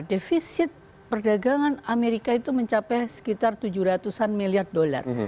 defisit perdagangan amerika itu mencapai sekitar tujuh ratus an miliar dolar